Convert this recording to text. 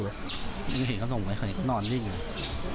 เห็นเขาลงมาเขาอีกก็นอนนิ่งเลย